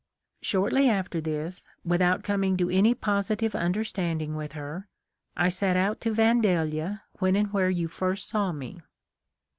"Shortly after this, without coming to any posi tive understanding with her, I set out for Vandalia, when and where you first saw me.